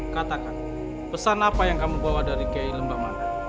katakan pesan apa yang kamu bawa dari kiai lembamanan